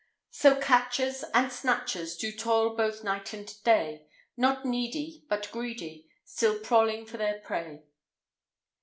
So catchers And snatchers Do toil both night and day, Not needie, But greedie, Still prolling for their prey.